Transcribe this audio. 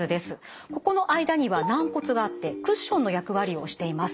ここの間には軟骨があってクッションの役割をしています。